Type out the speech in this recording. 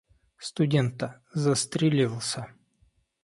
— Студент-то застрелился.